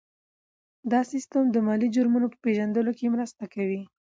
دا سیستم د مالي جرمونو په پېژندلو کې مرسته کوي.